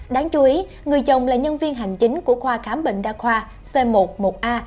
đáng chú ý người chồng là nhân viên hành chính của khoa khám bệnh đa khoa c một một a